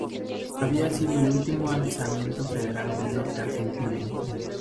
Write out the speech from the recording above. Había sido el último alzamiento federal del norte argentino.